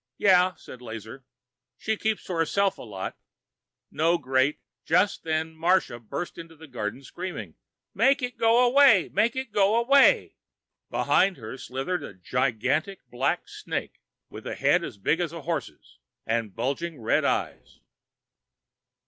"Yeah," said Lazar, "she keeps to herself a lot. No great " Just then, Marsha burst into the garden, screaming: "Make it go away! Make it go away!" Behind her slithered a gigantic black snake, with a head as big as a horse's, and bulging red eyes.